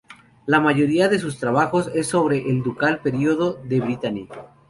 La mayoría de sus trabajos es sobre el ducal periodo de Brittany.